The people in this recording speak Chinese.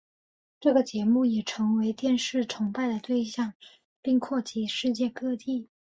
这个节目也成为电视崇拜的对象并扩及世界各地。